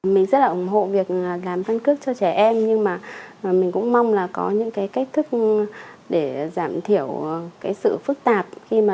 mình rất là ủng hộ việc làm căn cước cho trẻ em nhưng mà mình cũng mong là có những cái cách thức để giảm thiểu cái sự phức tạp